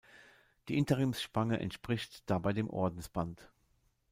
Die Interimsspange entspricht dabei dem Ordensband.